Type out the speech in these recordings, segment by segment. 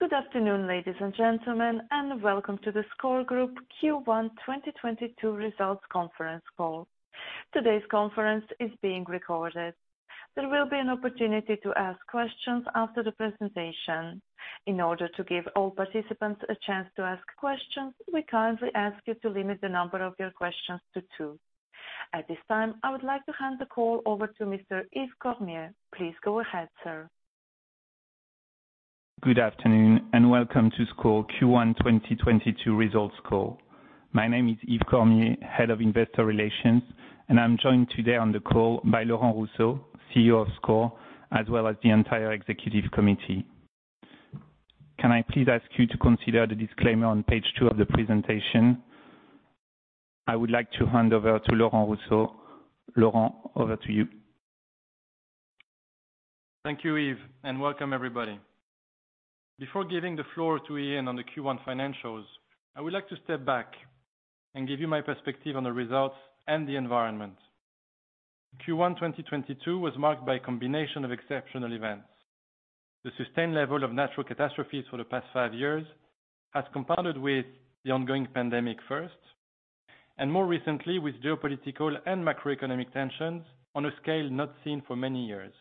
Good afternoon, ladies and gentlemen, and welcome to the SCOR Group Q1 2022 results conference call. Today's conference is being recorded. There will be an opportunity to ask questions after the presentation. In order to give all participants a chance to ask questions, we kindly ask you to limit the number of your questions to two. At this time, I would like to hand the call over to Mr. Yves Cormier. Please go ahead, sir. Good afternoon and welcome to SCOR Q1 2022 results call. My name is Yves Cormier, Head of Investor Relations, and I'm joined today on the call by Laurent Rousseau, CEO of SCOR, as well as the entire executive committee. Can I please ask you to consider the disclaimer on page two of the presentation? I would like to hand over to Laurent Rousseau. Laurent, over to you. Thank you, Yves, and welcome everybody. Before giving the floor to Ian on the Q1 financials, I would like to step back and give you my perspective on the results and the environment. Q1 2022 was marked by a combination of exceptional events. The sustained level of natural catastrophes for the past five years has compounded with the ongoing pandemic first, and more recently with geopolitical and macroeconomic tensions on a scale not seen for many years.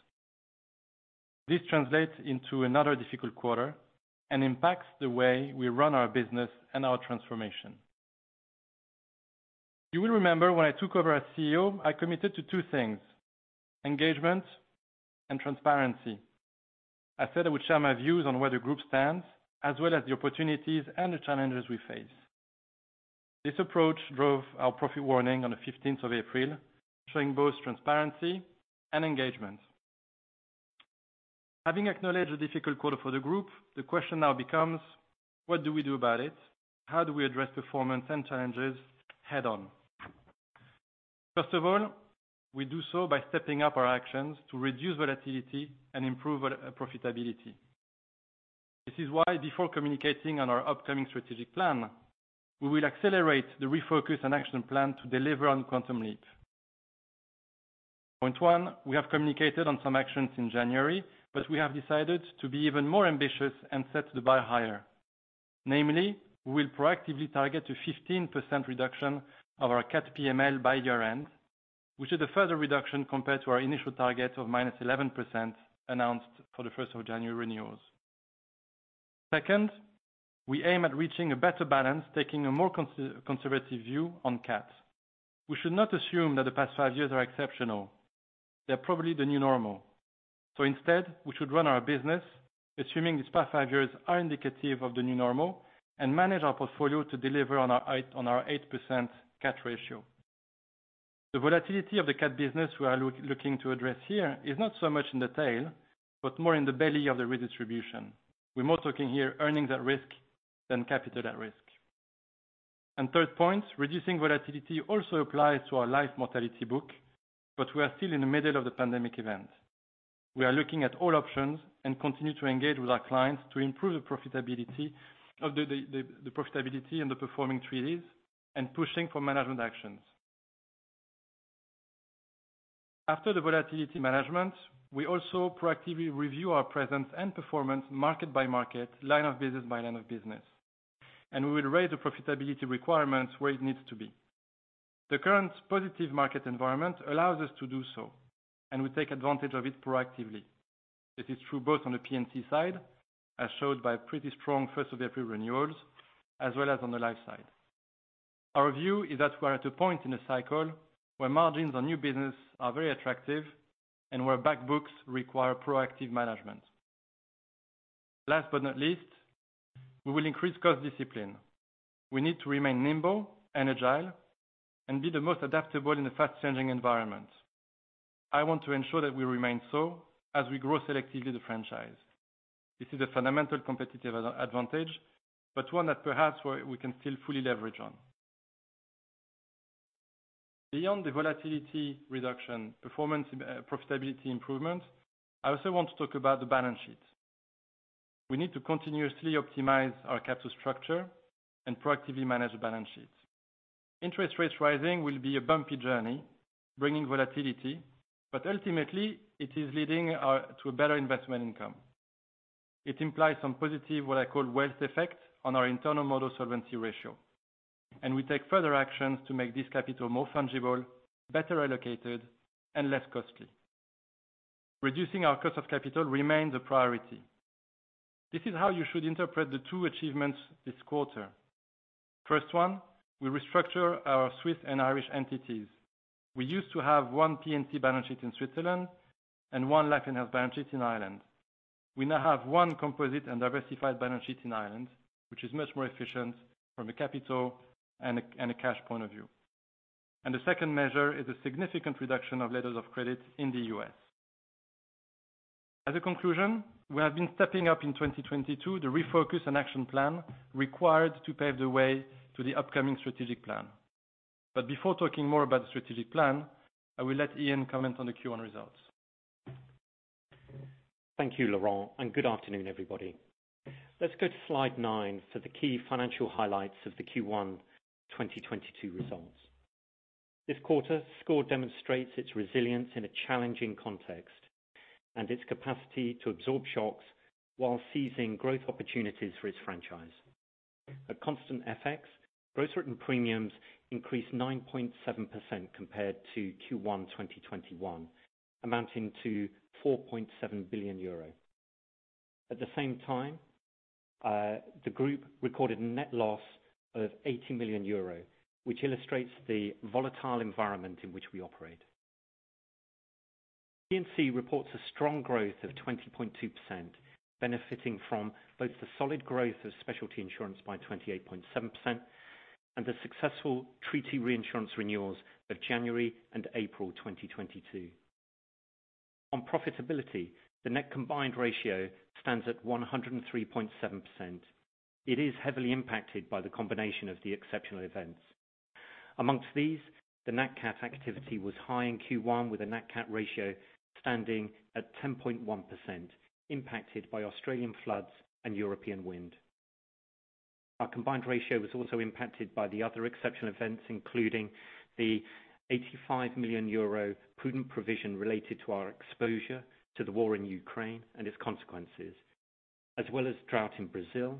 This translates into another difficult quarter and impacts the way we run our business and our transformation. You will remember when I took over as CEO, I committed to two things, engagement and transparency. I said I would share my views on where the group stands, as well as the opportunities and the challenges we face. This approach drove our profit warning on the 15th of April, showing both transparency and engagement. Having acknowledged a difficult quarter for the Group, the question now becomes, what do we do about it? How do we address performance and challenges head on? First of all, we do so by stepping up our actions to reduce volatility and improve our profitability. This is why before communicating on our upcoming strategic plan, we will accelerate the refocus and action plan to deliver on Quantum Leap. Point one, we have communicated on some actions in January, but we have decided to be even more ambitious and set the bar higher. Namely, we'll proactively target to 15% reduction of our CAT PML by year-end, which is a further reduction compared to our initial target of -11% announced for the first of January renewals. Second, we aim at reaching a better balance, taking a more conservative view on CAT. We should not assume that the past five years are exceptional. They're probably the new normal. Instead, we should run our business, assuming these past five years are indicative of the new normal, and manage our portfolio to deliver on our 8% CAT ratio. The volatility of the CAT business we are looking to address here is not so much in the tail, but more in the belly of the redistribution. We're more talking here earnings at risk than capital at risk. Third point, reducing volatility also applies to our life mortality book, but we are still in the middle of the pandemic event. We are looking at all options and continue to engage with our clients to improve the profitability of the profitability and the performing treaties and pushing for management actions. After the volatility management, we also proactively review our presence and performance market by market, line of business by line of business, and we will raise the profitability requirements where it needs to be. The current positive market environment allows us to do so, and we take advantage of it proactively. This is true both on the P&C side, as shown by pretty strong first-of-April renewals, as well as on the life side. Our view is that we are at a point in a cycle where margins on new business are very attractive and where back books require proactive management. Last but not least, we will increase cost discipline. We need to remain nimble and agile and be the most adaptable in a fast-changing environment. I want to ensure that we remain so as we grow selectively the franchise. This is a fundamental competitive advantage, but one that perhaps we can still fully leverage on. Beyond the volatility reduction performance, profitability improvement, I also want to talk about the balance sheet. We need to continuously optimize our capital structure and proactively manage the balance sheet. Interest rates rising will be a bumpy journey, bringing volatility, but ultimately, it is leading to a better investment income. It implies some positive, what I call wealth effect, on our internal model solvency ratio. We take further actions to make this capital more fungible, better allocated, and less costly. Reducing our cost of capital remains a priority. This is how you should interpret the two achievements this quarter. First one, we restructure our Swiss and Irish entities. We used to have one P&C balance sheet in Switzerland and one life and health balance sheet in Ireland. We now have one composite and diversified balance sheet in Ireland, which is much more efficient from a capital and a cash point of view. The second measure is a significant reduction of letters of credit in the U.S. As a conclusion, we have been stepping up in 2022 the refocus and action plan required to pave the way to the upcoming strategic plan. Before talking more about the strategic plan, I will let Ian comment on the Q1 results. Thank you, Laurent, and good afternoon, everybody. Let's go to slide nine for the key financial highlights of the Q1 2022 results. This quarter, SCOR demonstrates its resilience in a challenging context and its capacity to absorb shocks while seizing growth opportunities for its franchise. At constant FX, gross written premiums increased 9.7% compared to Q1 2021, amounting to 4.7 billion euro. At the same time, the group recorded a net loss of 80 million euro, which illustrates the volatile environment in which we operate. P&C reports a strong growth of 20.2%, benefiting from both the solid growth of specialty insurance by 28.7% and the successful treaty reinsurance renewals of January and April 2022. On profitability, the net combined ratio stands at 103.7%. It is heavily impacted by the combination of the exceptional events. Among these, the nat cat activity was high in Q1, with a nat cat ratio standing at 10.1%, impacted by Australian floods and European wind. Our combined ratio was also impacted by the other exceptional events, including the 85 million euro prudent provision related to our exposure to the war in Ukraine and its consequences, as well as drought in Brazil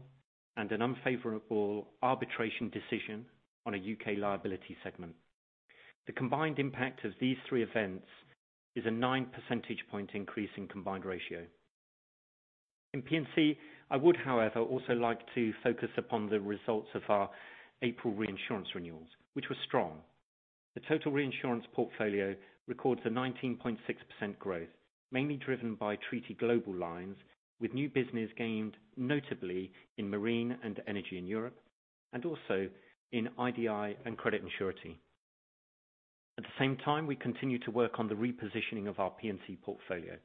and an unfavorable arbitration decision on a U.K. liability segment. The combined impact of these three events is a 9 percentage point increase in combined ratio. In P&C, I would, however, also like to focus upon the results of our April reinsurance renewals, which were strong. The total reinsurance portfolio records a 19.6% growth, mainly driven by treaty global lines, with new business gained notably in marine and energy in Europe and also in IDI and credit and surety. At the same time, we continue to work on the repositioning of our P&C portfolio,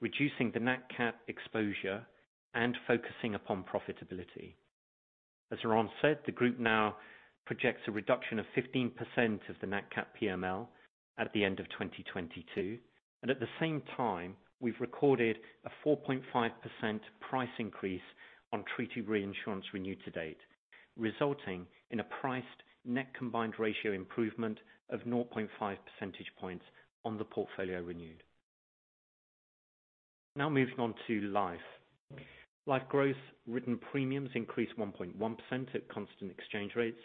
reducing the nat cat exposure and focusing upon profitability. As Laurent Rousseau said, the group now projects a reduction of 15% of the nat cat PML at the end of 2022, and at the same time, we've recorded a 4.5% price increase on treaty reinsurance renewed to date, resulting in a priced net combined ratio improvement of 0.5 percentage points on the portfolio renewed. Now moving on to life. Life growth written premiums increased 1.1% at constant exchange rates,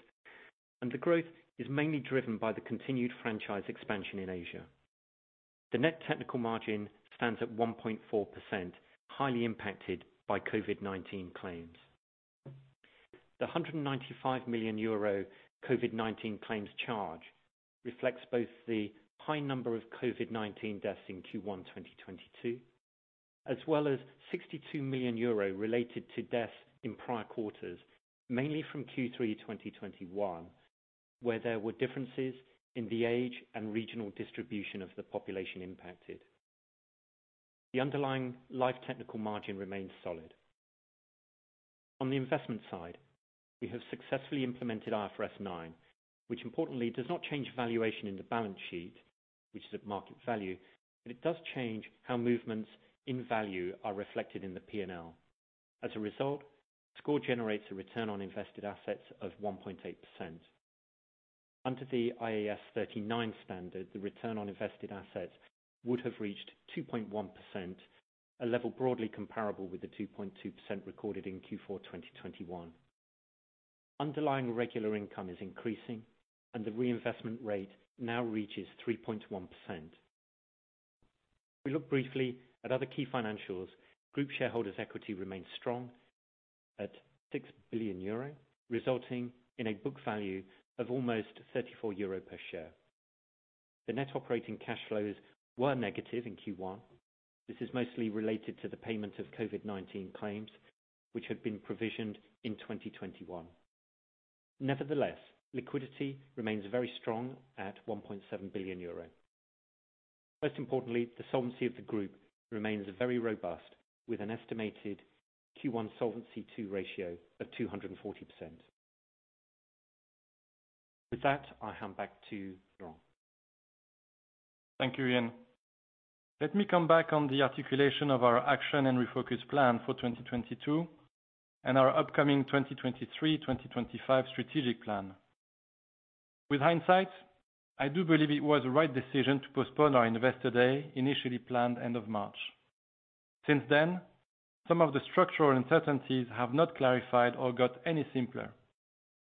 and the growth is mainly driven by the continued franchise expansion in Asia. The net technical margin stands at 1.4%, highly impacted by COVID-19 claims. The 195 million euro COVID-19 claims charge reflects both the high number of COVID-19 deaths in Q1 2022, as well as 62 million euro related to deaths in prior quarters, mainly from Q3 2021, where there were differences in the age and regional distribution of the population impacted. The underlying life technical margin remains solid. On the investment side, we have successfully implemented IFRS 9, which importantly does not change valuation in the balance sheet, which is at market value, but it does change how movements in value are reflected in the P&L. As a result, SCOR generates a return on invested assets of 1.8%. Under the IAS 39 standard, the return on invested assets would have reached 2.1%, a level broadly comparable with the 2.2% recorded in Q4 2021. Underlying regular income is increasing, and the reinvestment rate now reaches 3.1%. If we look briefly at other key financials, group shareholders equity remains strong at 6 billion euro, resulting in a book value of almost 34 euro per share. The net operating cash flows were negative in Q1. This is mostly related to the payment of COVID-19 claims, which had been provisioned in 2021. Nevertheless, liquidity remains very strong at 1.7 billion euro. Most importantly, the solvency of the group remains very robust, with an estimated Q1 Solvency II ratio of 240%. With that, I hand back to Laurent Rousseau. Thank you, Ian. Let me come back on the articulation of our action and refocus plan for 2022 and our upcoming 2023/2025 strategic plan. With hindsight, I do believe it was the right decision to postpone our Investor Day, initially planned end of March. Since then, some of the structural uncertainties have not clarified or got any simpler.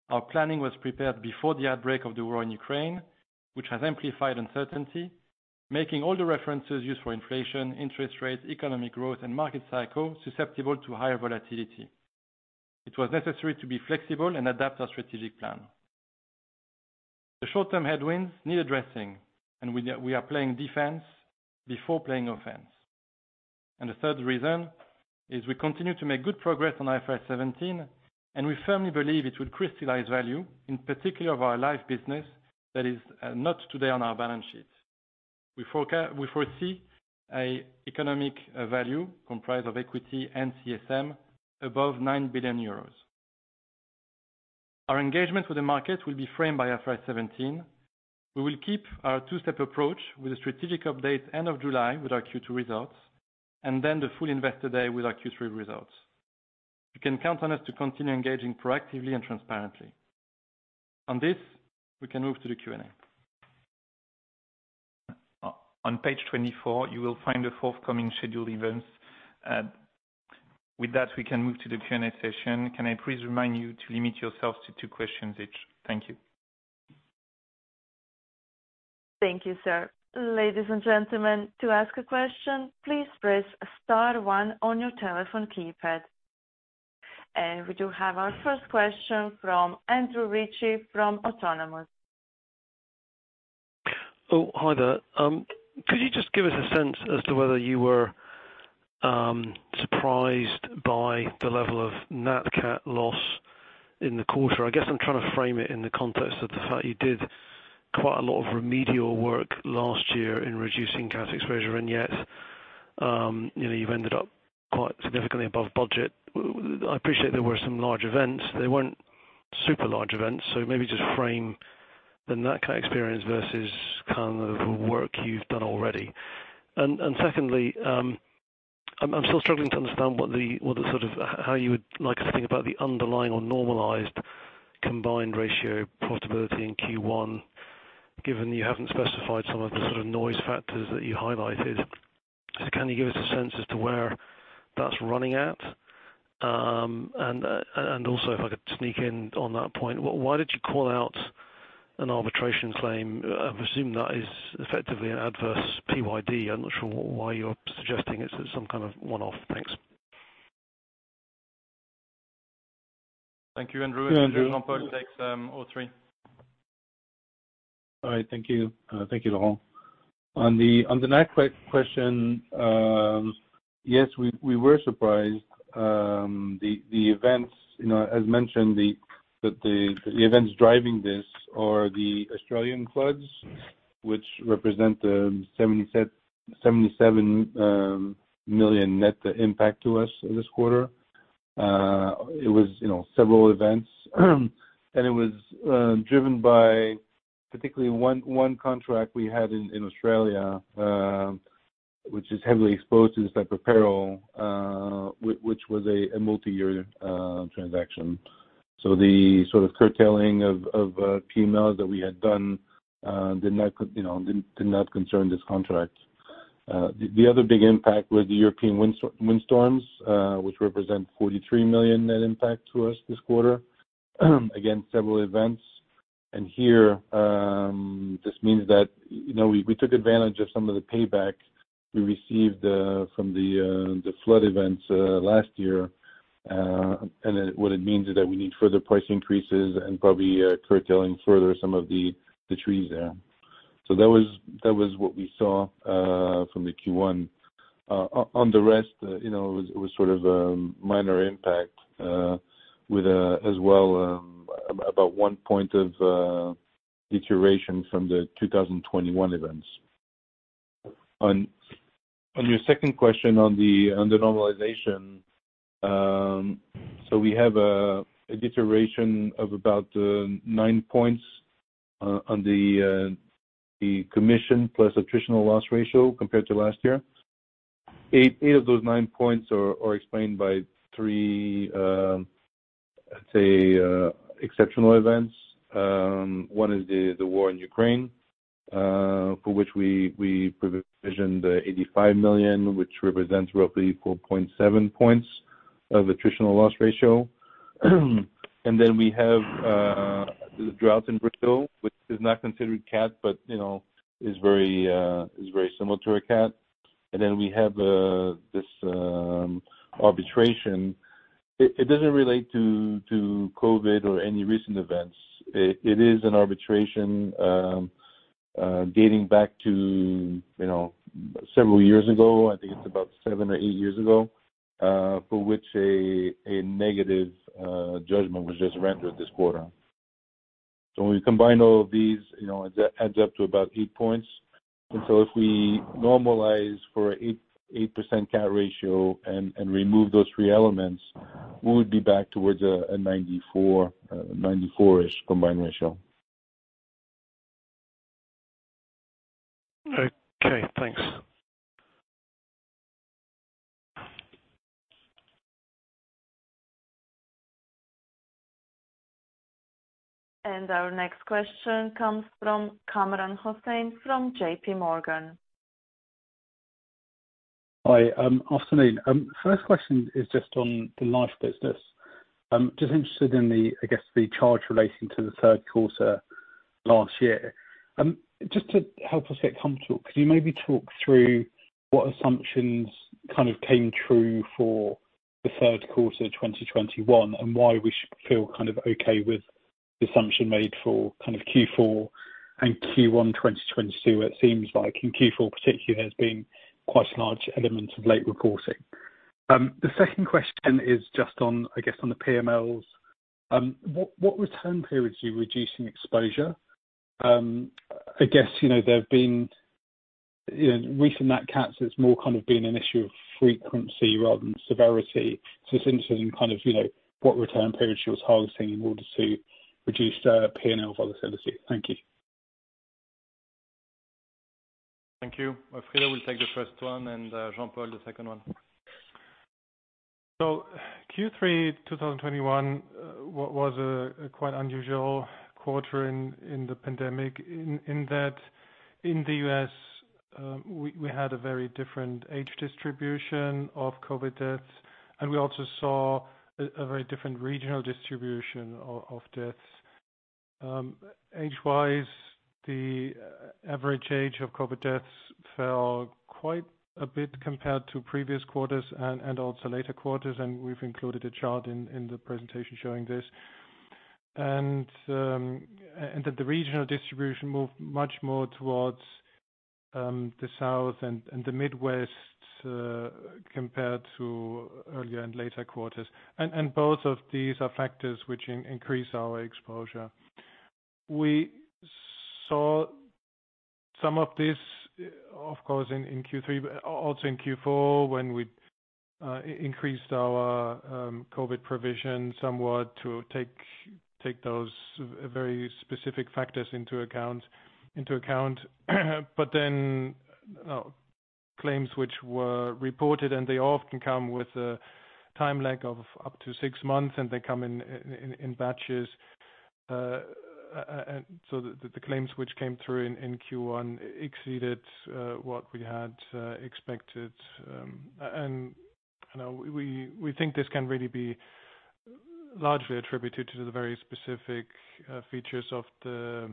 Our planning was prepared before the outbreak of the war in Ukraine, which has amplified uncertainty, making all the references used for inflation, interest rates, economic growth, and market cycle susceptible to higher volatility. It was necessary to be flexible and adapt our strategic plan. The short-term headwinds need addressing, and we are playing defense before playing offense. The third reason is we continue to make good progress on IFRS 17, and we firmly believe it will crystallize value, in particular of our life business that is not today on our balance sheet. We foresee an economic value comprised of equity and CSM above 9 billion euros. Our engagement with the market will be framed by IFRS 17. We will keep our two-step approach with a strategic update end of July with our Q2 results, and then the full Investor Day with our Q3 results. You can count on us to continue engaging proactively and transparently. On this, we can move to the Q&A. On page 24, you will find the forthcoming scheduled events. With that, we can move to the Q&A session. Can I please remind you to limit yourself to two questions each? Thank you. Thank you, sir. Ladies and gentlemen, to ask a question, please press star one on your telephone keypad. We do have our first question from Andrew Ritchie from Autonomous. Oh, hi there. Could you just give us a sense as to whether you were surprised by the level of nat cat loss in the quarter? I guess I'm trying to frame it in the context of the fact you did quite a lot of remedial work last year in reducing cat exposure, and yet, you know, you've ended up quite significantly above budget. I appreciate there were some large events. They weren't super large events, so maybe just frame the nat cat experience versus kind of work you've done already. Secondly, I'm still struggling to understand how you would like us to think about the underlying or normalized combined ratio profitability in Q1, given that you haven't specified some of the sort of noise factors that you highlighted. Can you give us a sense as to where that's running at? And also, if I could sneak in on that point, why did you call out an arbitration claim? I presume that is effectively an adverse PYD. I'm not sure why you're suggesting it's some kind of one-off. Thanks. Thank you, Andrew. Jean-Paul takes all three. All right. Thank you. Thank you, Laurent. On the nat cat question, yes, we were surprised. The events, you know, as mentioned, that the events driving this are the Australian floods, which represent a 77 million net impact to us this quarter. It was, you know, several events. It was driven by particularly one contract we had in Australia, which is heavily exposed to this type of peril, which was a multi-year transaction. The sort of curtailing of PMLs that we had done did not, you know, concern this contract. The other big impact was the European windstorms, which represent a 43 million net impact to us this quarter. Again, several events. Here, this means that, you know, we took advantage of some of the payback we received from the flood events last year. Then what it means is that we need further price increases and probably curtailing further some of the treaties there. That was what we saw from the Q1. On the rest, you know, it was sort of minor impact as well about 1 point of deterioration from the 2021 events. On your second question on the normalization. We have a deterioration of about 9 points on the commission plus attritional loss ratio compared to last year. Eight of those 9 points are explained by three, let's say, exceptional events. One is the war in Ukraine, for which we provisioned 85 million, which represents roughly 4.7 points of attritional loss ratio. Then we have the drought in Brazil, which is not considered cat, but you know, is very similar to a cat. Then we have this arbitration. It doesn't relate to COVID or any recent events. It is an arbitration dating back to, you know, several years ago. I think it's about seven or eight years ago, for which a negative judgment was just rendered this quarter. When we combine all of these, you know, it adds up to about 8 points. If we normalize for 8% cat ratio and remove those three elements, we would be back towards a 94-ish combined ratio. Okay, thanks. Our next question comes from Kamran Hossain from J.P. Morgan. Hi, afternoon. First question is just on the life business. Just interested in the, I guess, the charge relating to the third quarter last year. Just to help us get comfortable, could you maybe talk through what assumptions kind of came true for the third quarter of 2021, and why we should feel kind of okay with the assumption made for kind of Q4 and Q1 2022? It seems like in Q4 particularly, there's been quite a large element of late reporting. The second question is just on, I guess, on the PMLs. What return periods are you reducing exposure? I guess, you know, there have been, you know, recent nat cats, it's more kind of been an issue of frequency rather than severity. Just interested in kind of, you know, what return periods you're targeting in order to reduce the P&L volatility. Thank you. Thank you. Frieder will take the first one and, Jean-Paul, the second one. Q3 2021 was a quite unusual quarter in the pandemic in that in the U.S., we had a very different age distribution of COVID deaths, and we also saw a very different regional distribution of deaths. Age-wise, the average age of COVID deaths fell quite a bit compared to previous quarters and also later quarters, and we've included a chart in the presentation showing this. The regional distribution moved much more towards the South and the Midwest compared to earlier and later quarters. Both of these are factors which increase our exposure. We saw some of this, of course, in Q3, but also in Q4 when we increased our COVID provision somewhat to take those very specific factors into account. Claims which were reported, and they often come with a time lag of up to six months, and they come in batches. The claims which came through in Q1 exceeded what we had expected. You know, we think this can really be largely attributed to the very specific features of the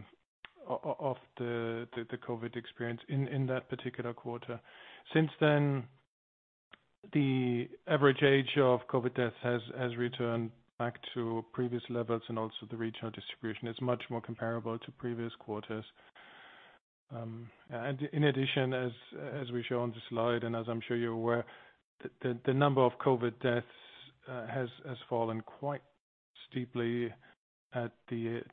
COVID experience in that particular quarter. Since then, the average age of COVID deaths has returned back to previous levels, and also the regional distribution is much more comparable to previous quarters. In addition, as we show on the slide, and as I'm sure you're aware, the number of COVID deaths has fallen quite steeply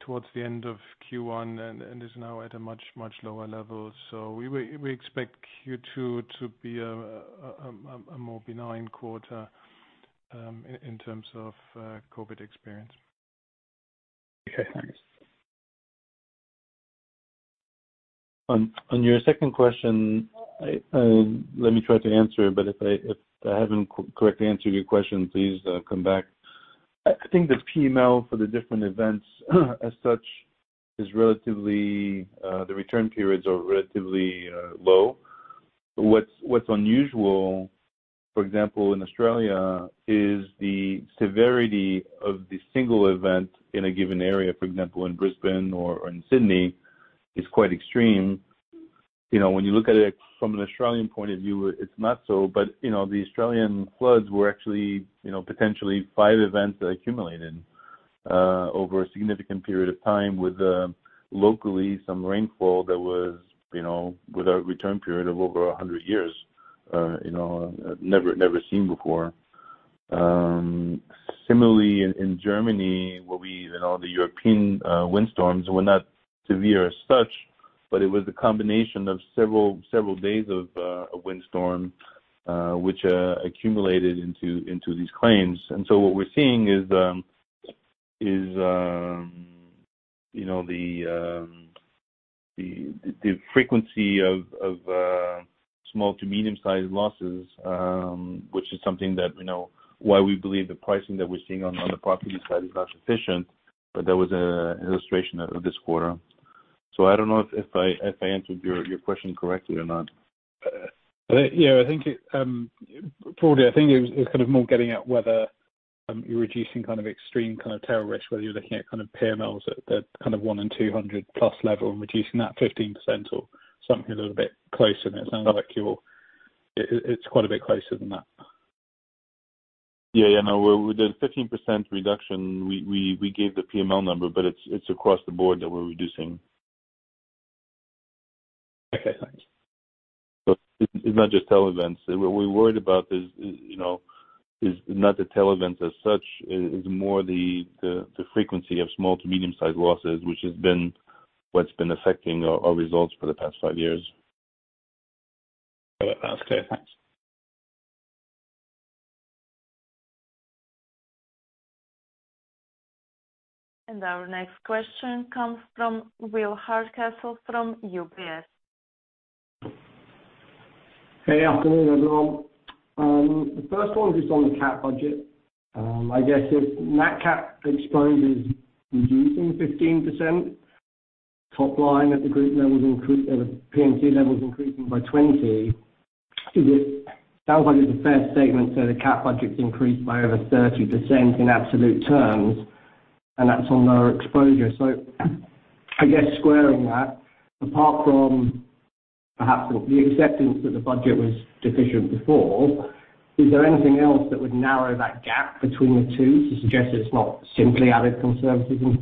towards the end of Q1 and is now at a much lower level. We expect Q2 to be a more benign quarter in terms of COVID experience. Okay, thanks. On your second question, let me try to answer, but if I haven't correctly answered your question, please come back. I think the PML for the different events, as such, is relatively low. The return periods are relatively low. What's unusual, for example, in Australia, is the severity of the single event in a given area, for example, in Brisbane or in Sydney, is quite extreme. You know, when you look at it from an Australian point of view, it's not so. You know, the Australian floods were actually, you know, potentially five events that accumulated over a significant period of time with locally some rainfall that was, you know, with a return period of over 100 years, you know, never seen before. Similarly in Germany, where we, you know, the European windstorms were not severe as such, but it was a combination of several days of a windstorm which accumulated into these claims. What we're seeing is you know, the frequency of small to medium-sized losses, which is something that, you know, why we believe the pricing that we're seeing on the property side is not sufficient. That was an illustration of this quarter. I don't know if I answered your question correctly or not. Yeah, I think it was Kamran Hossain. I think it was kind of more getting at whether you're reducing kind of extreme kind of tail risk, whether you're looking at kind of PMLs at kind of one in 200+ level and reducing that 15% or something a little bit closer. It sounds like it's quite a bit closer than that. Yeah, yeah. No, with the 15% reduction, we gave the PML number, but it's across the board that we're reducing. Okay, thanks. It's not just tail events. What we're worried about is, you know, not the tail events as such. It is more the frequency of small to medium-sized losses, which has been what's been affecting our results for the past five years. Okay, thanks. Our next question comes from Will Hardcastle from UBS. Good afternoon, everyone. The first one is on the cat budget. I guess if net cat exposure is reducing 15%, top line at the group level or the P&C levels increasing by 20%, is it, sounds like it's a fair statement, so the cat budget's increased by over 30% in absolute terms, and that's on lower exposure. I guess squaring that, apart from perhaps the acceptance that the budget was deficient before, is there anything else that would narrow that gap between the two to suggest it's not simply added conservatism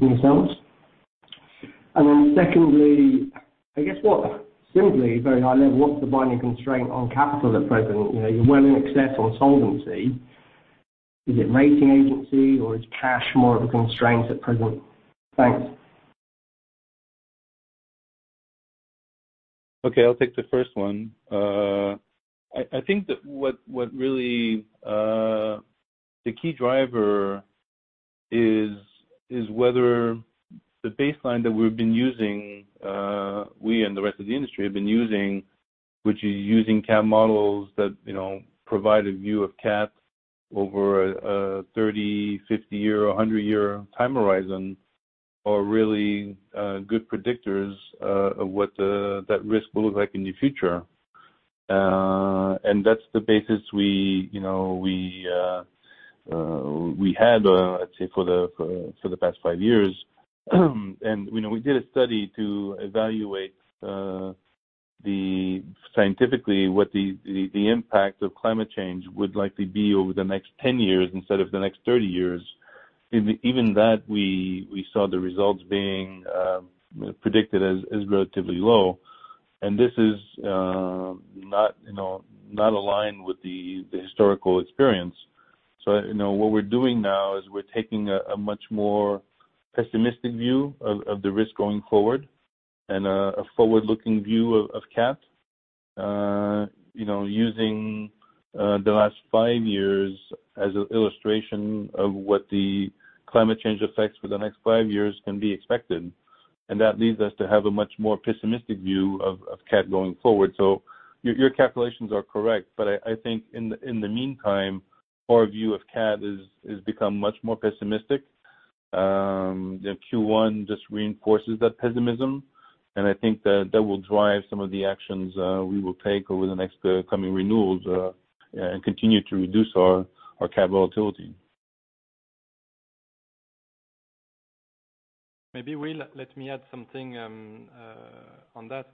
into themselves? Secondly, I guess, simply, very high level, what's the binding constraint on capital at present? You know, you're well in excess on solvency. Is it rating agency or is cash more of a constraint at present? Thanks. Okay, I'll take the first one. I think that what really is the key driver is whether the baseline that we've been using, we and the rest of the industry have been using, which is using CAT models that, you know, provide a view of CAT over a 30, 50 year or a 100 year time horizon are really good predictors of what that risk will look like in the future. That's the basis we, you know, we had, let's say for the past five years. You know, we did a study to evaluate scientifically what the impact of climate change would likely be over the next 10 years instead of the next 30 years. in that, we saw the results being predicted as relatively low. This is not, you know, not aligned with the historical experience. You know, what we're doing now is we're taking a much more pessimistic view of the risk going forward and a forward-looking view of CAT. You know, using the last five years as an illustration of what the climate change effects for the next five years can be expected. That leads us to have a much more pessimistic view of CAT going forward. Your calculations are correct, but I think in the meantime, our view of CAT is become much more pessimistic. The Q1 just reinforces that pessimism, and I think that will drive some of the actions we will take over the next coming renewals and continue to reduce our CAT volatility. Maybe, Will, let me add something on that.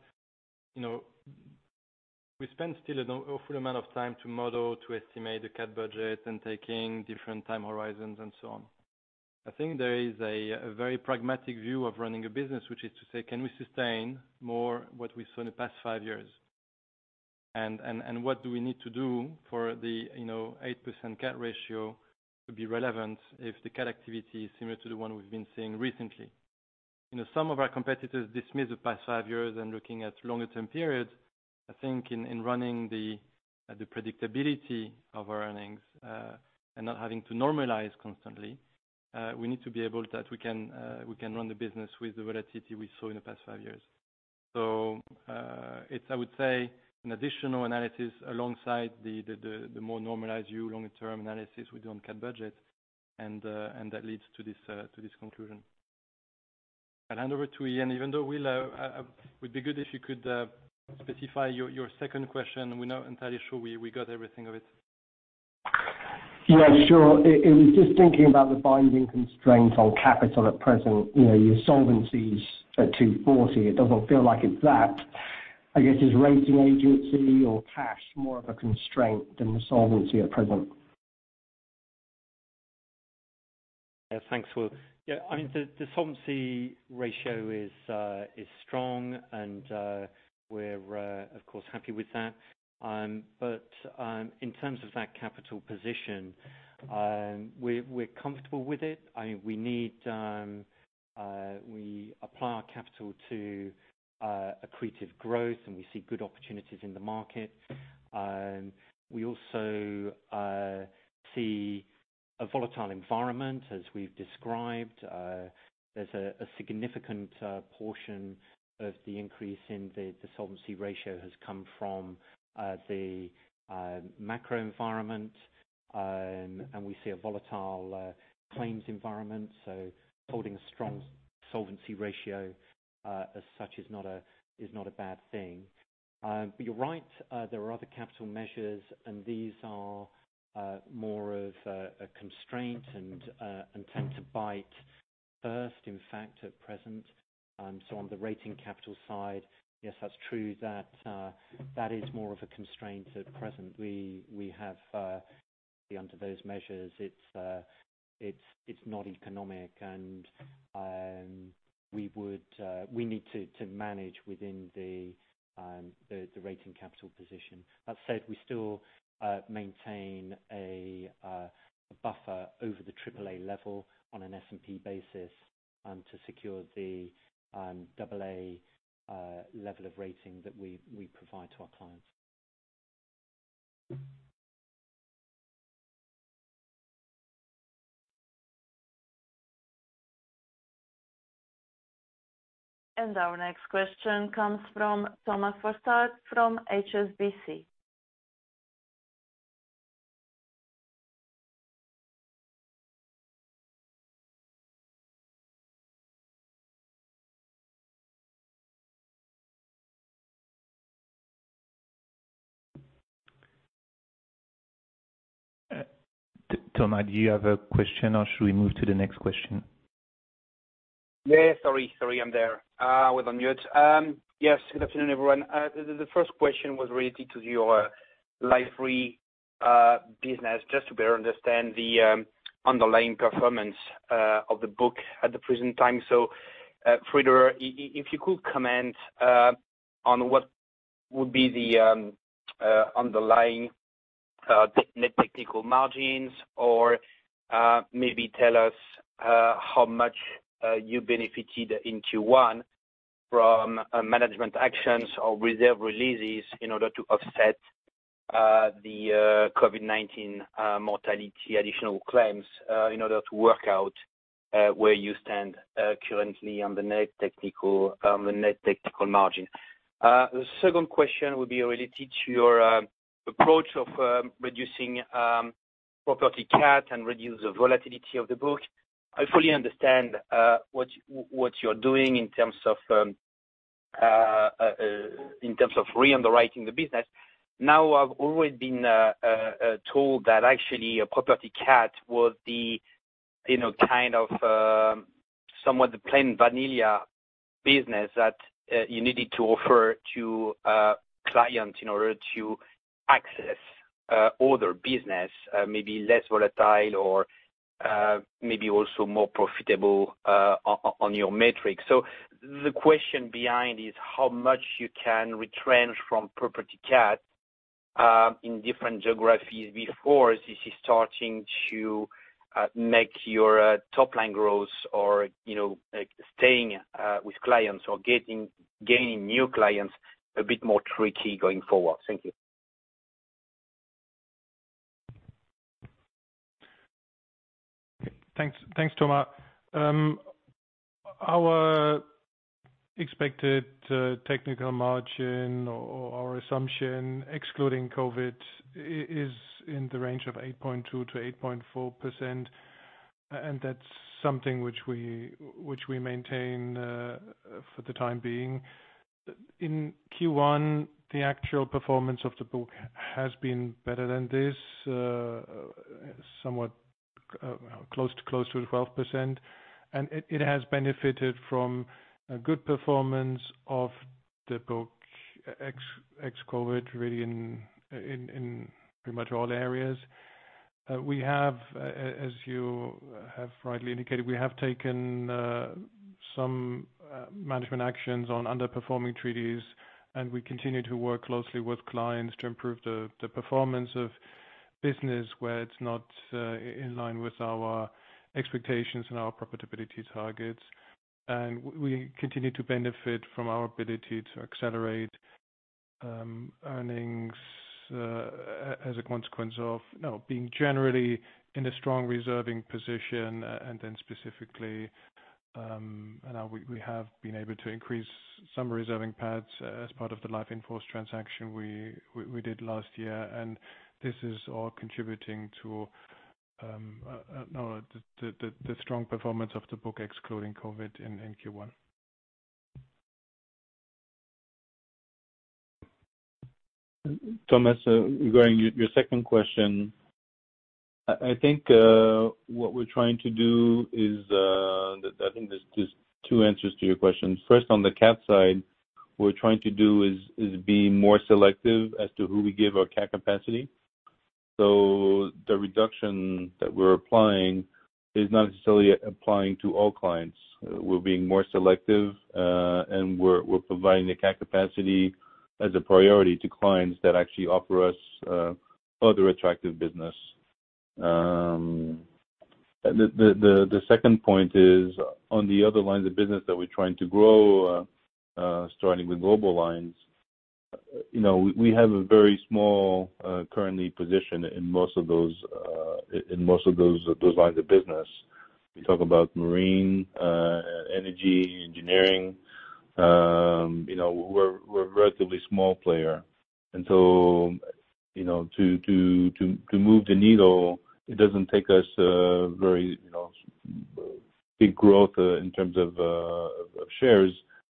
You know, we spend still an awful amount of time to model, to estimate the CAT budget and taking different time horizons and so on. I think there is a very pragmatic view of running a business, which is to say, can we sustain more what we saw in the past five years? What do we need to do for the, you know, 8% CAT ratio to be relevant if the CAT activity is similar to the one we've been seeing recently. You know, some of our competitors dismiss the past five years and looking at longer-term periods. I think in running the predictability of our earnings, and not having to normalize constantly, we need to be able to run the business with the volatility we saw in the past five years. It's, I would say, an additional analysis alongside the more normalized view, longer term analysis we do on CAT budget, and that leads to this conclusion. I'll hand over to Ian, even though, Will, would be good if you could specify your second question. We're not entirely sure we got everything of it. Yeah, sure. I was just thinking about the binding constraints on capital at present. You know, your solvency is at 240%. It doesn't feel like it's that. I guess, is rating agency or cash more of a constraint than the solvency at present? Yeah. Thanks, Will. Yeah. I mean, the solvency ratio is strong and we're of course happy with that. In terms of that capital position, we're comfortable with it. I mean, we apply our capital to accretive growth, and we see good opportunities in the market. We also see a volatile environment, as we've described. There's a significant portion of the increase in the solvency ratio has come from the macro environment. We see a volatile claims environment, so holding a strong solvency ratio as such is not a bad thing. You're right. There are other capital measures, and these are more of a constraint and tend to bite first, in fact, at present. On the rating capital side, yes, that's true. That is more of a constraint at present. We have to be under those measures. It's not economic and we need to manage within the rating capital position. That said, we still maintain a buffer over the AAA level on an S&P basis to secure the AA level of rating that we provide to our clients. Our next question comes from Thomas Fossard from HSBC. Thomas, do you have a question or should we move to the next question? Yeah, sorry. Sorry, I'm there. I was on mute. Yes, good afternoon, everyone. The first question was related to your life re business, just to better understand the underlying performance of the book at the present time. Frieder, if you could comment on what would be the underlying net technical margins, or maybe tell us how much you benefited in Q1 from management actions or reserve releases in order to offset the COVID-19 mortality additional claims, in order to work out where you stand currently on the net technical margin. The second question would be related to your approach of reducing property cat and reduce the volatility of the book. I fully understand what you're doing in terms of re-underwriting the business. Now, I've always been told that actually a property cat was the, you know, kind of, somewhat the plain vanilla business that you needed to offer to clients in order to access other business, maybe less volatile or maybe also more profitable on your metrics. So the question behind is how much you can retrench from property cat in different geographies before this is starting to make your top line growth or, you know, like, staying with clients or gaining new clients a bit more tricky going forward. Thank you. Thanks. Thanks, Thomas. Our expected technical margin or assumption excluding COVID is in the range of 8.2%-8.4%, and that's something which we maintain for the time being. In Q1, the actual performance of the book has been better than this, somewhat close to 12%. It has benefited from a good performance of the book ex COVID, really in pretty much all areas. We have, as you have rightly indicated, taken some management actions on underperforming treaties, and we continue to work closely with clients to improve the performance of business where it's not in line with our expectations and our profitability targets. We continue to benefit from our ability to accelerate earnings as a consequence of, you know, being generally in a strong reserving position. Specifically, now we have been able to increase some reserving pads as part of the life in force transaction we did last year. This is all contributing to the strong performance of the book excluding COVID in Q1. Thomas, regarding your second question, I think what we're trying to do is, I think there's two answers to your question. First, on the cat side, we're trying to be more selective as to who we give our cat capacity. The reduction that we're applying is not necessarily applying to all clients. We're being more selective, and we're providing the cat capacity as a priority to clients that actually offer us other attractive business. The second point is, on the other lines of business that we're trying to grow, starting with global lines, you know, we have a very small current position in most of those lines of business. We talk about marine energy engineering. You know, we're a relatively small player. You know, to move the needle, it doesn't take us a very, you know, big growth in terms of of shares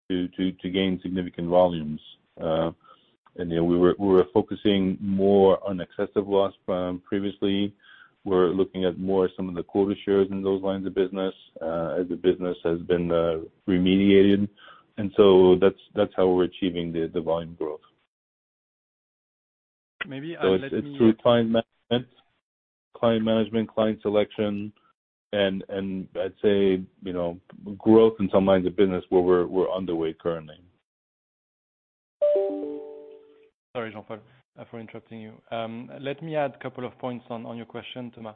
to gain significant volumes. You know, we're focusing more on excess of loss than previously. We're looking more at some of the quota shares in those lines of business, as the business has been remediated. That's how we're achieving the volume growth. Maybe let me. It's through client management, client selection, and I'd say, you know, growth in some lines of business where we're underway currently. Sorry, Jean-Paul, for interrupting you. Let me add a couple of points on your question, Thomas.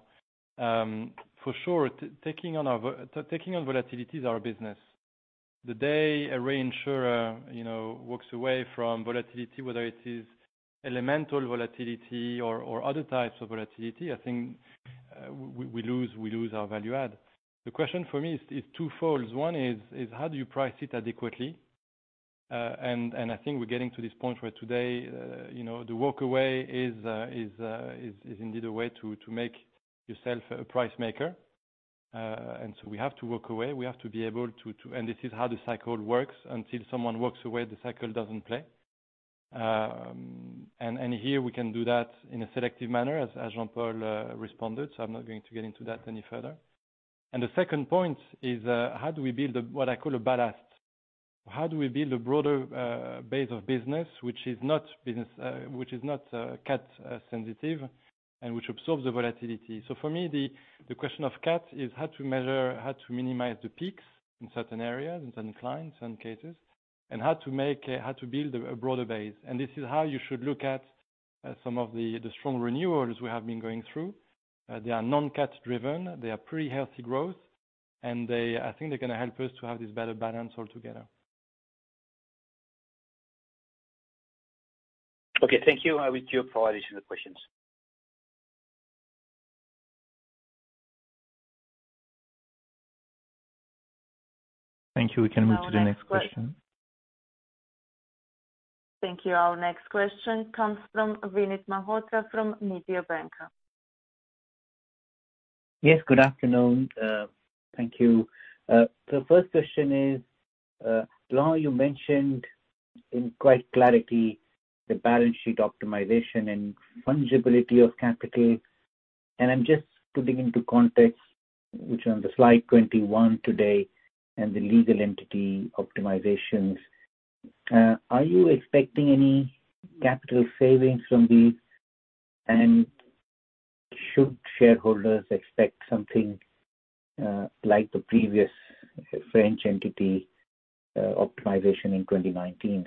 For sure, taking on volatility is our business. The day a reinsurer, you know, walks away from volatility, whether it is elemental volatility or other types of volatility, I think, we lose our value add. The question for me is twofold. One is how do you price it adequately? I think we're getting to this point where today, you know, the walk away is indeed a way to make yourself a price maker. We have to walk away. We have to be able to. This is how the cycle works. Until someone walks away, the cycle doesn't play. Here we can do that in a selective manner, as Jean-Paul responded, so I'm not going to get into that any further. The second point is how do we build what I call a ballast? How do we build a broader base of business which is not cat sensitive and which absorbs the volatility? For me, the question of cat is how to measure, how to minimize the peaks in certain areas, in certain clients, in certain cases, and how to build a broader base. This is how you should look at some of the strong renewals we have been going through. They are non-cat driven. They are pretty healthy growth, and they, I think they're gonna help us to have this better balance altogether. Okay, thank you. I will queue for additional questions. Thank you. We can move to the next question. Thank you. Our next question comes from Vinit Malhotra from Mediobanca. Yes, good afternoon. Thank you. First question is, Laurent, you mentioned in quite clarity the balance sheet optimization and fungibility of capital. I'm just putting into context, which on the slide 21 today, and the legal entity optimizations. Are you expecting any capital savings from these? Should shareholders expect something, like the previous French entity, optimization in 2019?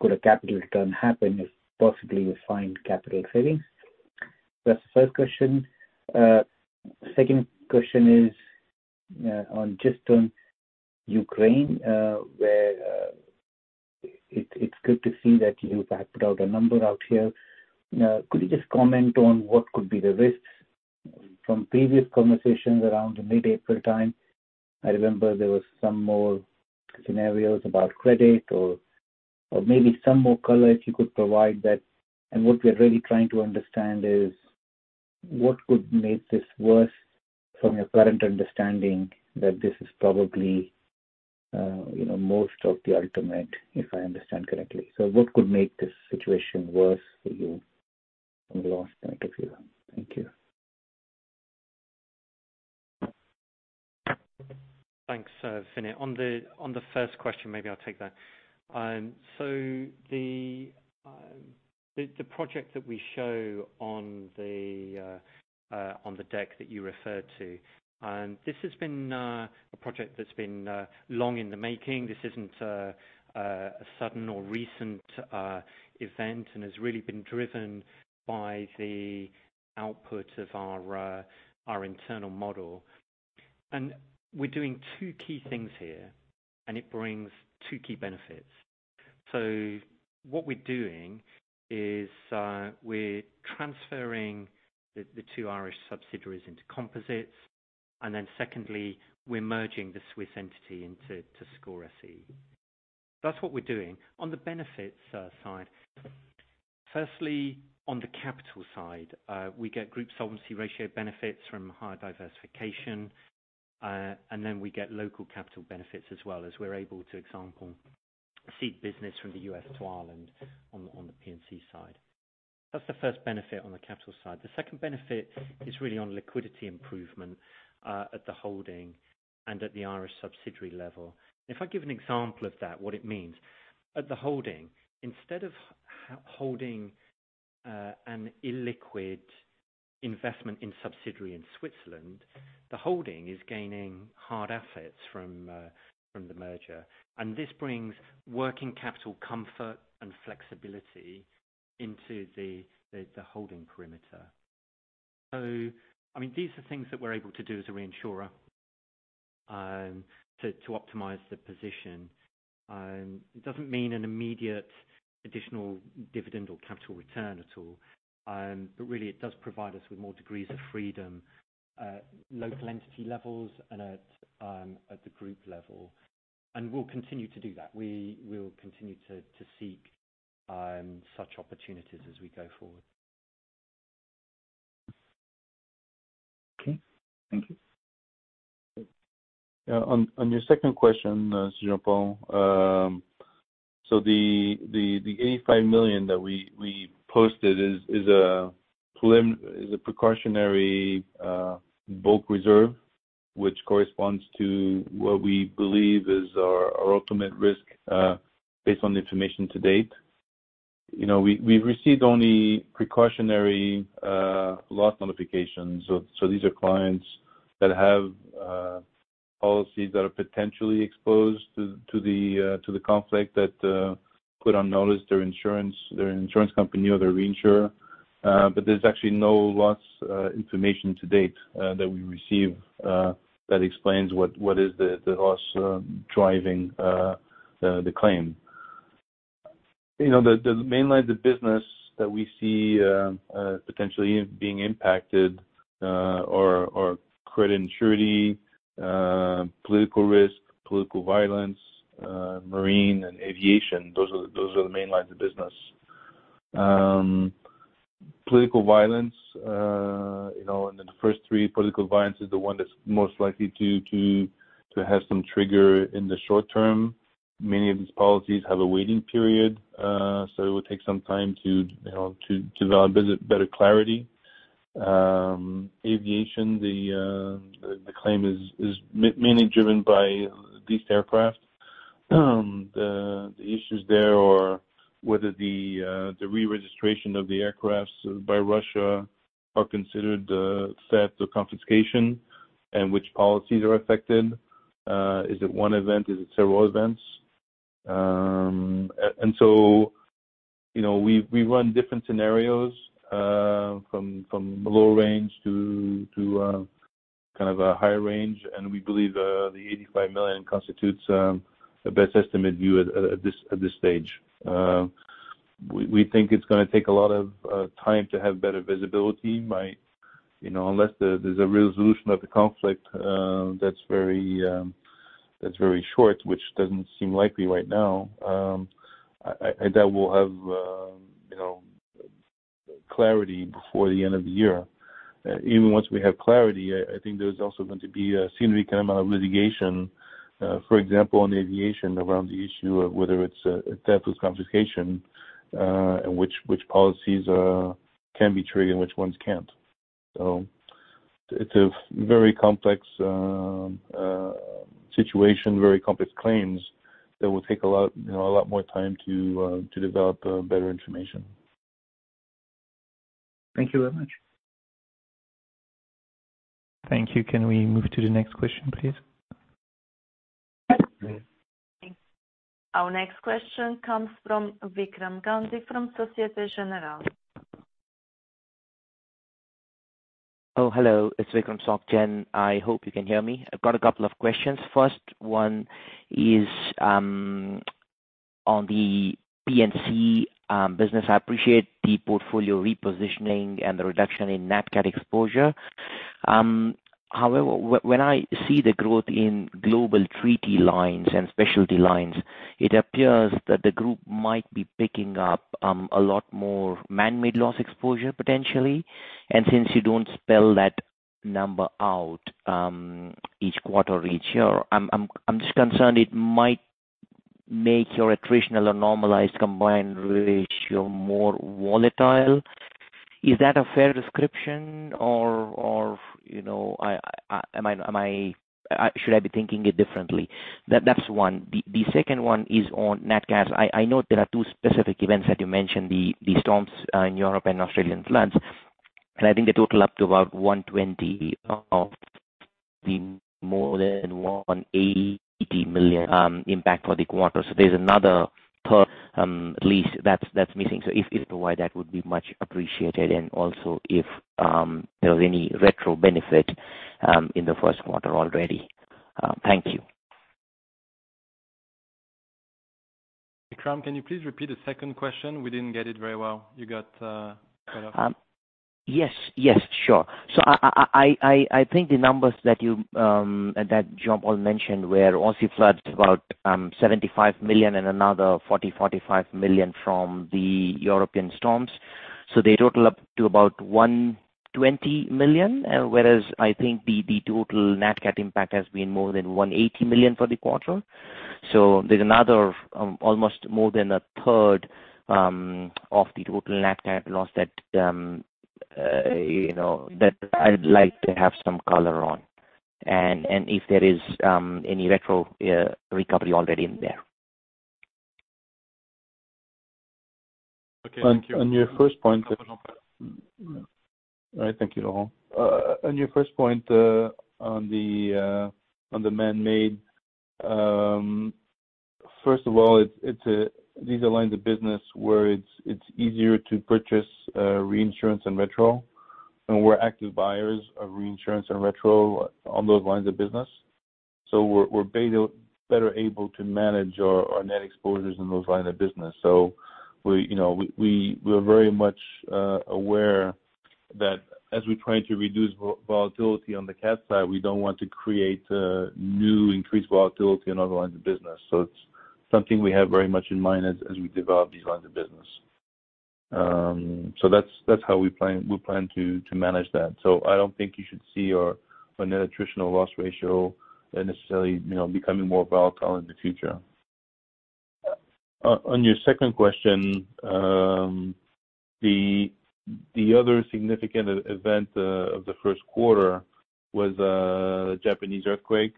Could a capital return happen if possibly you find capital savings? That's the first question. Second question is, just on Ukraine, where it's good to see that you have put out a number here. Could you just comment on what could be the risks from previous conversations around the mid-April time? I remember there was some more scenarios about credit or maybe some more color if you could provide that. What we're really trying to understand is what could make this worse from your current understanding that this is probably, you know, most of the ultimate, if I understand correctly. What could make this situation worse for you from the loss perspective? Thank you. Thanks, Vinit. On the first question, maybe I'll take that. The project that we show on the deck that you referred to, this has been a project that's been long in the making. This isn't a sudden or recent event, and has really been driven by the output of our internal model. We're doing two key things here, and it brings two key benefits. What we're doing is, we're transferring the two Irish subsidiaries into composites. Then secondly, we're merging the Swiss entity into SCOR SE. That's what we're doing. On the benefits side. Firstly, on the capital side, we get group solvency ratio benefits from higher diversification, and then we get local capital benefits as well, as we're able to, for example, cede business from the U.S. to Ireland on the P&C side. That's the first benefit on the capital side. The second benefit is really on liquidity improvement at the holding and at the Irish subsidiary level. If I give an example of that, what it means. At the holding, instead of holding an illiquid investment in subsidiary in Switzerland, the holding is gaining hard assets from the merger. This brings working capital comfort and flexibility into the holding perimeter. I mean, these are things that we're able to do as a reinsurer to optimize the position. It doesn't mean an immediate additional dividend or capital return at all. Really it does provide us with more degrees of freedom at local entity levels and at the group level. We'll continue to do that. We will continue to seek such opportunities as we go forward. Okay. Thank you. On your second question, Jean-Paul. So the 85 million that we posted is a precautionary bulk reserve, which corresponds to what we believe is our ultimate risk based on the information to date. You know, we've received only precautionary loss notifications. So these are clients that have policies that are potentially exposed to the conflict that put on notice their insurance company or their reinsurer. But there's actually no loss information to date that we received that explains what is the loss driving the claim. You know, the main lines of business that we see potentially being impacted are credit and surety, political risk, political violence, marine and aviation. Those are the main lines of business. Political violence, you know, and then the first three political violence is the one that's most likely to have some trigger in the short term. Many of these policies have a waiting period, so it would take some time to, you know, to develop better clarity. Aviation, the claim is mainly driven by these aircraft. The issues there are whether the reregistration of the aircraft by Russia are considered set to confiscation and which policies are affected. Is it one event? Is it several events? So, you know, we run different scenarios, from low range to kind of a high range. We believe the 85 million constitutes the best estimate view at this stage. We think it's gonna take a lot of time to have better visibility, you know, unless there's a resolution of the conflict that's very short, which doesn't seem likely right now, that we'll have, you know, clarity before the end of the year. Even once we have clarity, I think there's also going to be a significant amount of litigation, for example, on aviation around the issue of whether it's a tempest confiscation, and which policies can be triggered and which ones can't. It's a very complex situation, very complex claims that will take a lot, you know, a lot more time to develop better information. Thank you very much. Thank you. Can we move to the next question, please? Yes. Please. Our next question comes from Vikram Gandhi from Société Générale. Oh, hello, it's Vikram Gandhi from Soc Gen. I hope you can hear me. I've got a couple of questions. First one is on the P&C business. I appreciate the portfolio repositioning and the reduction in nat cat exposure. However, when I see the growth in global treaty lines and specialty lines, it appears that the group might be picking up a lot more man-made loss exposure, potentially. Since you don't spell that number out each quarter or each year, I'm just concerned it might make your attritional or normalized combined ratio more volatile. Is that a fair description or, you know, should I be thinking it differently? That's one. The second one is on nat cats. I know there are two specific events that you mentioned, the storms in Europe and Australian floods. I think they total up to about 120 million of the more than 180 million impact for the quarter. There's another third at least that's missing. If you provide that would be much appreciated. Also if there's any retro benefit in the first quarter already. Thank you. Vikram, can you please repeat the second question? We didn't get it very well. You got cut off. Yes. Yes, sure. I think the numbers that you, that Jean-Paul mentioned were Aussie floods about 75 million and another 45 million from the European storms. They total up to about 120 million. Whereas I think the total nat cat impact has been more than 180 million for the quarter. There's another almost more than a third of the total nat cat loss that you know that I'd like to have some color on. If there is any retro recovery already in there. Okay, thank you. On your first point. All right. Thank you, Laurent. On your first point, on the man-made. First of all, these are lines of business where it's easier to purchase reinsurance and retro, and we're active buyers of reinsurance and retro on those lines of business. We're better able to manage our net exposures in those lines of business. We, you know, we're very much aware that as we try to reduce volatility on the cat side, we don't want to create new increased volatility in other lines of business. It's something we have very much in mind as we develop these lines of business. That's how we plan to manage that. I don't think you should see our net attritional loss ratio, necessarily, you know, becoming more volatile in the future. On your second question, the other significant event of the first quarter was the Japanese earthquake.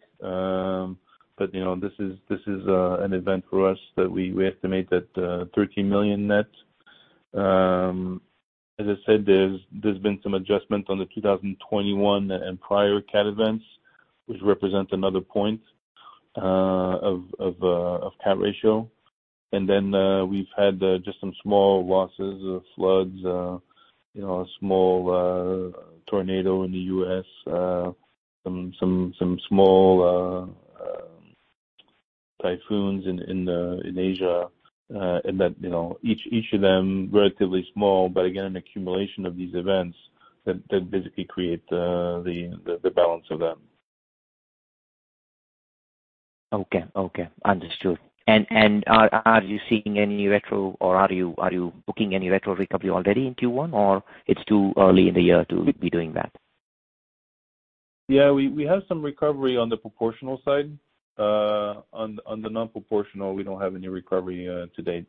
You know, this is an event for us that we estimate at 13 million net. As I said, there's been some adjustment on the 2021 and prior cat events, which represent another point of cat ratio. We've had just some small losses of floods, you know, a small tornado in the U.S., some small typhoons in Asia. that, you know, each of them relatively small, but again, an accumulation of these events that basically create the balance of them. Okay. Understood. Are you seeing any retro or are you booking any retro recovery already in Q1 or it's too early in the year to be doing that? Yeah, we have some recovery on the proportional side. On the non-proportional, we don't have any recovery to date.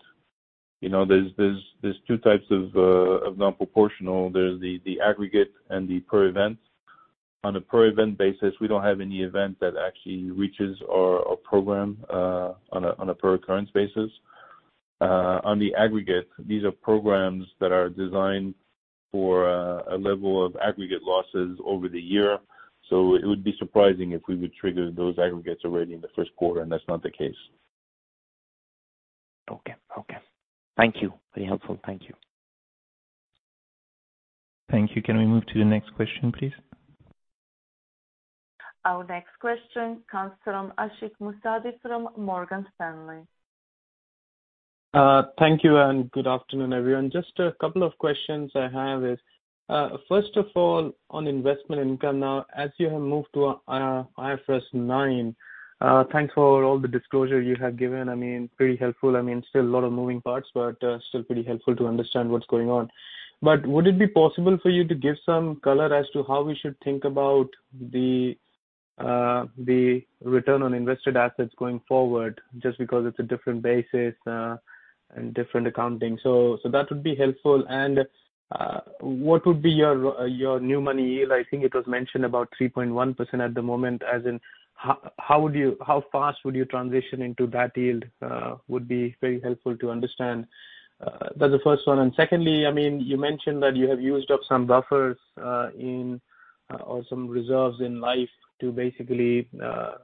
You know, there are two types of non-proportional. There's the aggregate and the per event. On a per event basis, we don't have any event that actually reaches our program on a per occurrence basis. On the aggregate, these are programs that are designed. For a level of aggregate losses over the year. It would be surprising if we would trigger those aggregates already in the first quarter, and that's not the case. Okay. Thank you. Very helpful. Thank you. Thank you. Can we move to the next question, please? Our next question comes from Ashik Musaddi from Morgan Stanley. Thank you, and good afternoon, everyone. Just a couple of questions I have is, first of all, on investment income now. As you have moved to IFRS 9, thanks for all the disclosure you have given. I mean, pretty helpful. I mean, still a lot of moving parts, but still pretty helpful to understand what's going on. Would it be possible for you to give some color as to how we should think about the return on invested assets going forward, just because it's a different basis and different accounting. That would be helpful. What would be your new money yield? I think it was mentioned about 3.1% at the moment, as in how fast would you transition into that yield? Would be very helpful to understand. That's the first one. Secondly, I mean, you mentioned that you have used up some buffers or some reserves in life to basically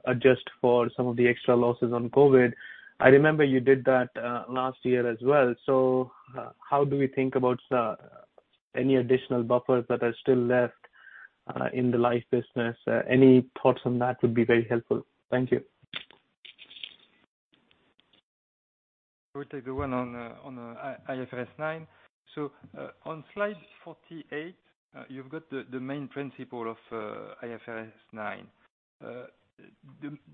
adjust for some of the extra losses on COVID. I remember you did that last year as well. How do we think about any additional buffers that are still left in the life business? Any thoughts on that would be very helpful. Thank you. We take the one on IFRS 9. On slide 48, you've got the main principle of IFRS 9.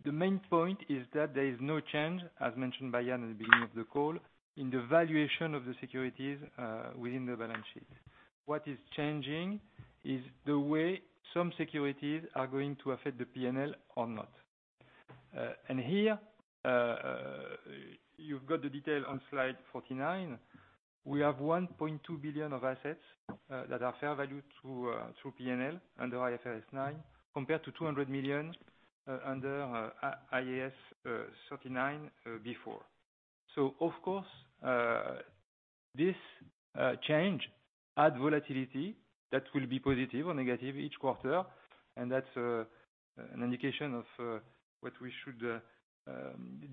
The main point is that there is no change, as mentioned by Ian at the beginning of the call, in the valuation of the securities within the balance sheet. What is changing is the way some securities are going to affect the P&L or not. Here, you've got the detail on slide 49. We have 1.2 billion of assets that are fair value through P&L under IFRS 9, compared to 200 million under IAS 39 before. Of course, this change add volatility that will be positive or negative each quarter, and that's an indication of what we should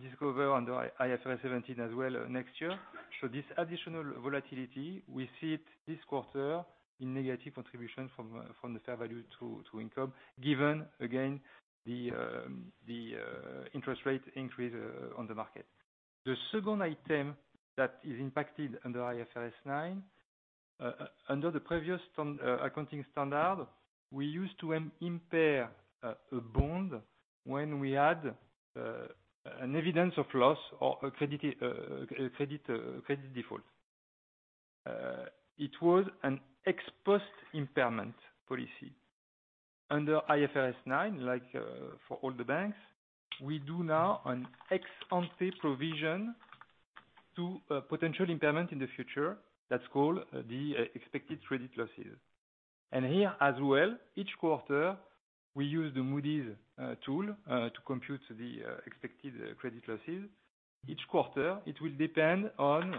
discover under IFRS 17 as well next year. This additional volatility, we see it this quarter in negative contribution from the fair value to income, given again the interest rate increase on the market. The second item that is impacted under IFRS 9, under the previous accounting standard, we used to impair a bond when we had an evidence of loss or a credit default. It was an ex-post impairment policy. Under IFRS 9, like, for all the banks, we do now an ex-ante provision to a potential impairment in the future that's called the Expected Credit Losses. Here as well, each quarter, we use the Moody's tool to compute the Expected Credit Losses. Each quarter, it will depend on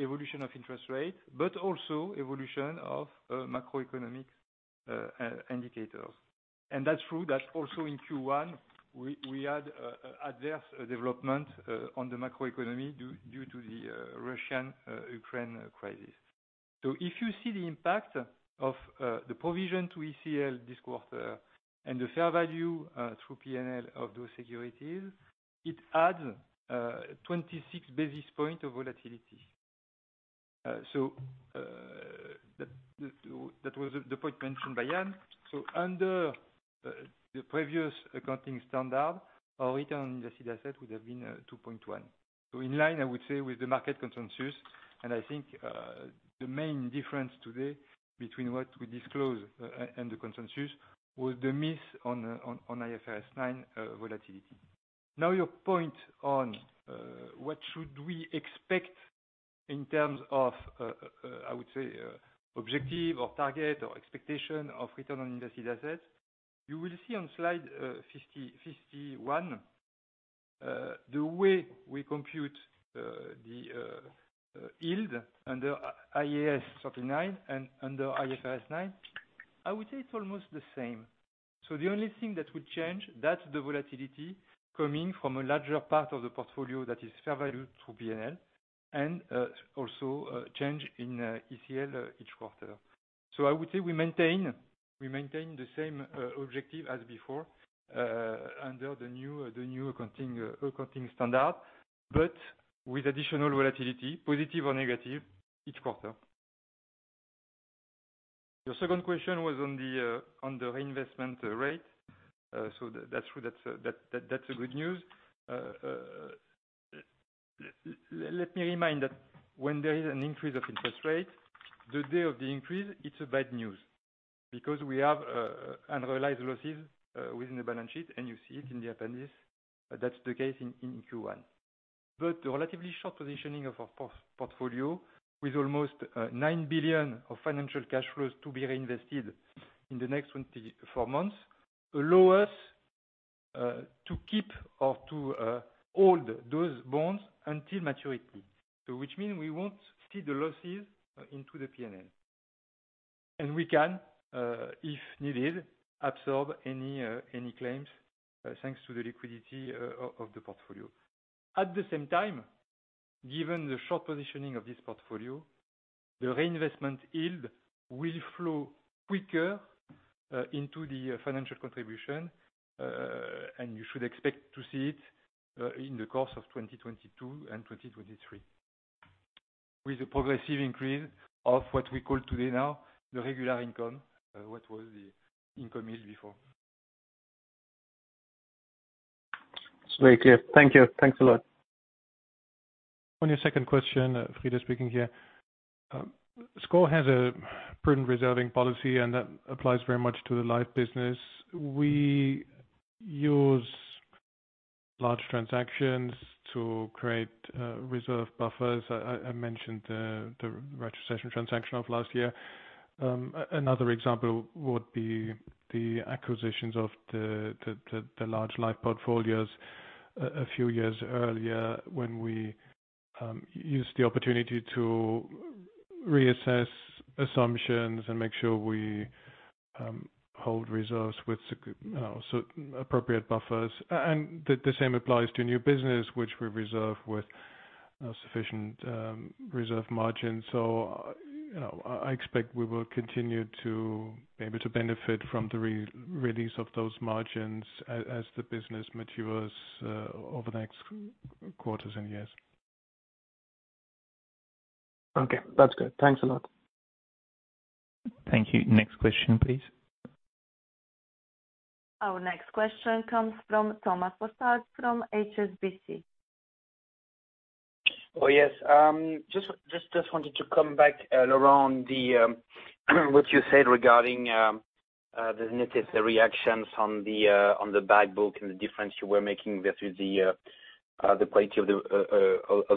evolution of interest rate, but also evolution of macroeconomic indicators. That's true that also in Q1, we had an adverse development on the macroeconomy due to the Russia-Ukraine crisis. If you see the impact of the provision to ECL this quarter and the fair value through P&L of those securities, it adds 26 basis points of volatility. That was the point mentioned by Ian. Under the previous accounting standard, our return on the asset would have been 2.1%. In line, I would say, with the market consensus, and I think, the main difference today between what we disclose and the consensus was the miss on IFRS 9 volatility. Now your point on what should we expect in terms of objective or target or expectation of return on invested assets, you will see on slide 50, 51, the way we compute the yield under IAS 39 and under IFRS 9, I would say it's almost the same. The only thing that would change, that's the volatility coming from a larger part of the portfolio that is fair value to P&L, and also a change in ECL each quarter. I would say we maintain the same objective as before under the new accounting standard, but with additional volatility, positive or negative, each quarter. Your second question was on the reinvestment rate. That's true. That's a good news. Let me remind that when there is an increase of interest rate, the day of the increase, it's a bad news because we have unrealized losses within the balance sheet, and you see it in the appendix. That's the case in Q1. The relatively short positioning of our portfolio with almost 9 billion of financial cash flows to be reinvested in the next 24 months allows us to keep or to hold those bonds until maturity. Which means we won't see the losses into the P&L. We can, if needed, absorb any claims thanks to the liquidity of the portfolio. At the same time, given the short positioning of this portfolio, the reinvestment yield will flow quicker into the financial contribution. You should expect to see it in the course of 2022 and 2023. With a progressive increase of what we call today now the regular income, what was the income yield before. It's very clear. Thank you. Thanks a lot. On your second question, Frieder Knüpling speaking here. SCOR has a prudent reserving policy, and that applies very much to the life business. We use large transactions to create reserve buffers. I mentioned the retrocession transaction of last year. Another example would be the acquisitions of the large life portfolios a few years earlier, when we used the opportunity to reassess assumptions and make sure we hold reserves with such appropriate buffers. The same applies to new business which we reserve with sufficient reserve margins. You know, I expect we will continue to be able to benefit from the re-release of those margins as the business matures over the next quarters and years. Okay, that's good. Thanks a lot. Thank you. Next question, please. Our next question comes from Thomas Fossard from HSBC. Oh, yes. Just wanted to come back around what you said regarding the negative reactions on the back book and the difference you were making versus the quality of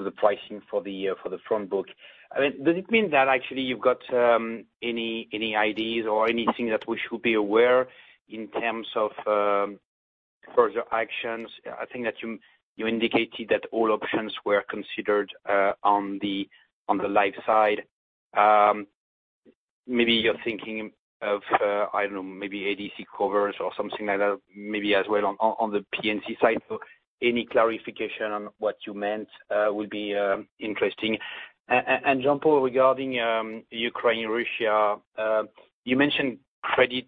the pricing for the front book. I mean, does it mean that actually you've got any ideas or anything that we should be aware in terms of further actions? I think that you indicated that all options were considered on the life side. Maybe you're thinking of, I don't know, maybe ADC covers or something like that, maybe as well on the P&C side. Any clarification on what you meant would be interesting. Jean-Paul, regarding Ukraine, Russia, you mentioned credit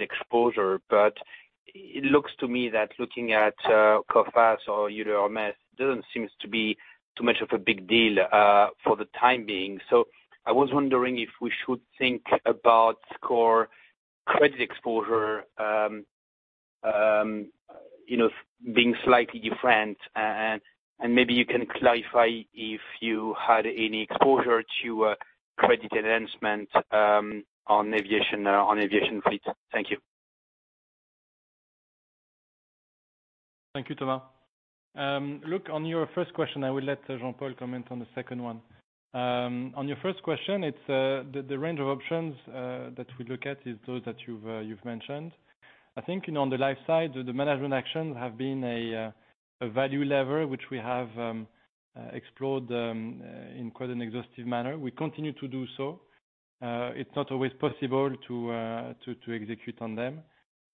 exposure, but it looks to me that looking at Coface or Euler Hermes doesn't seems to be too much of a big deal, for the time being. I was wondering if we should think about SCOR credit exposure, you know, being slightly different. Maybe you can clarify if you had any exposure to credit enhancement on aviation fleet. Thank you. Thank you, Thomas. Look, on your first question, I will let Jean-Paul comment on the second one. On your first question, it's the range of options that we look at is those that you've mentioned. I think, you know, on the life side, the management actions have been a value lever, which we have explored in quite an exhaustive manner. We continue to do so. It's not always possible to execute on them.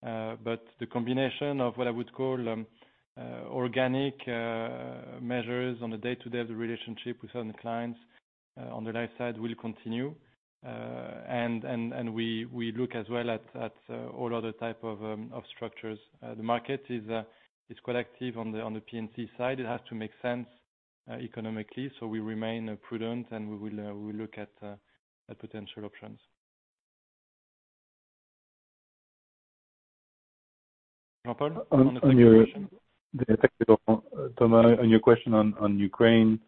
But the combination of what I would call organic measures on a day-to-day of the relationship with certain clients on the life side will continue. We look as well at all other type of structures. The market is quite active on the P&C side. It has to make sense economically, so we remain prudent, and we look at potential options. Jean-Paul? On your On the question. Yeah. Thank you, Thomas. On your question on Ukraine,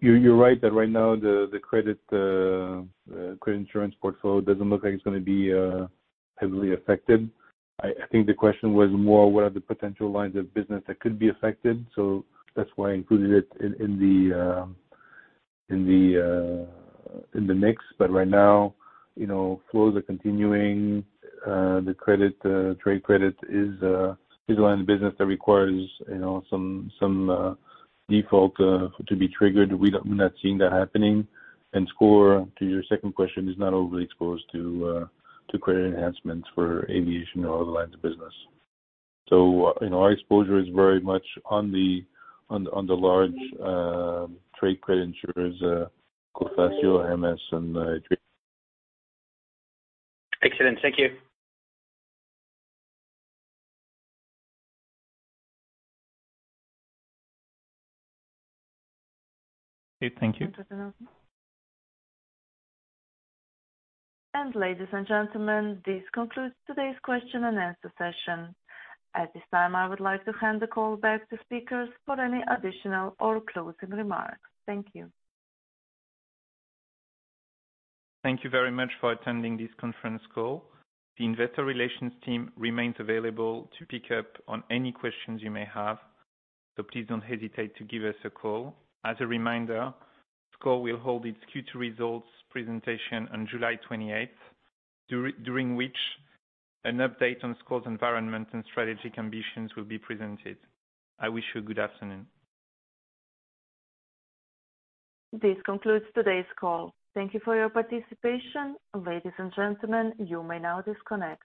you're right that right now the credit insurance portfolio doesn't look like it's gonna be heavily affected. I think the question was more, what are the potential lines of business that could be affected? That's why I included it in the mix. But right now, you know, flows are continuing. The credit trade credit is one of the business that requires, you know, some default to be triggered. We're not seeing that happening. SCOR, to your second question, is not overly exposed to credit enhancements for aviation or other lines of business. You know, our exposure is very much on the large trade credit insurers, Coface, Euler Hermes, and Atradius. Excellent. Thank you. Okay. Thank you. Ladies and gentlemen, this concludes today's question and answer session. At this time, I would like to hand the call back to speakers for any additional or closing remarks. Thank you. Thank you very much for attending this conference call. The investor relations team remains available to pick up on any questions you may have, so please don't hesitate to give us a call. As a reminder, SCOR will hold its Q2 results presentation on July 28th, during which an update on SCOR's environment and strategic ambitions will be presented. I wish you a good afternoon. This concludes today's call. Thank you for your participation. Ladies and gentlemen, you may now disconnect.